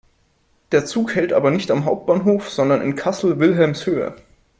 Der Zug hält aber nicht am Hauptbahnhof, sondern in Kassel-Wilhelmshöhe.